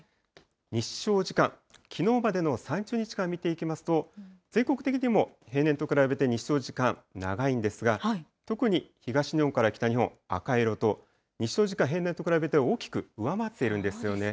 日照時間、きのうまでの３０日間見ていきますと、全国的にも平年と比べて日照時間長いんですが、特に東日本から北日本、赤色と日照時間、平年と比べて大きく上回っているんですよね。